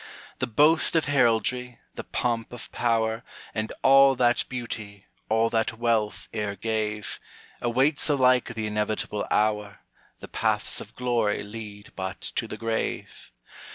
The boast of heraldry, the pomp of power, And all that beauty, all that wealth e'er gave, Awaits alike the inevitable hour. The paths of glory lead but to the grave.